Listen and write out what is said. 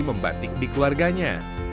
membatik di keluarganya